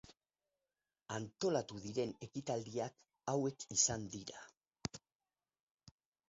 Antolatu diren ekitaldiak hauek izan dira.